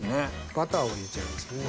バターを入れちゃいますね。